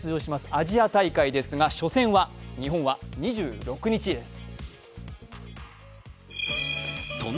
アジア大会なんですが初戦は日本は２６日です。